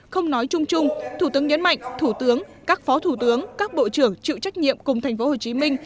không nói chung chung thủ tướng nhấn mạnh thủ tướng các phó thủ tướng các bộ trưởng chịu trách nhiệm cùng thành phố hồ chí minh